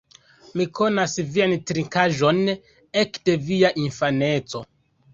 Mi konas vian trinkaĵon ekde via infaneco